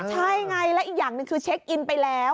ใช่ไงและอีกอย่างหนึ่งคือเช็คอินไปแล้ว